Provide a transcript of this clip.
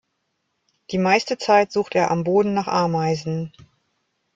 Die meiste Zeit sucht er am Boden nach Ameisen.